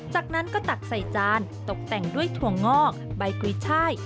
จากนั้นก็ตักใส่จานตกแต่งด้วยถั่วงอกใบกุ้ยช่าย